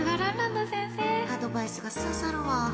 アドバイスが刺さるわ。